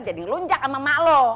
jadi lunjak sama emak lu